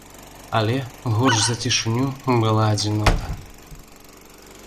Але горш за цішыню была адзінота.